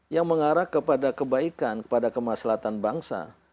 yang mengarah kepada kebaikan kepada kemaslahan bangsa